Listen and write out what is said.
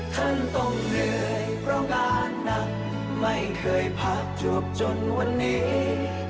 ท่านต้องเหนื่อยเพราะงานหนักไม่เคยพักจวบจนวันนี้